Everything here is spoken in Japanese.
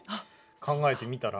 考えてみたら。